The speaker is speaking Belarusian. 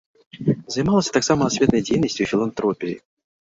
Займалася таксама асветнай дзейнасцю і філантропіяй.